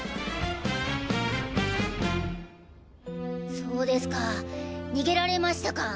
そうですか逃げられましたか。